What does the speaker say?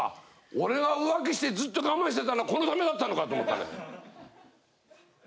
俺が浮気してずっと我慢してたのはこのためだったのか」と思ったね。